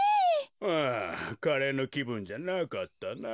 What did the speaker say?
うんカレーのきぶんじゃなかったなあ。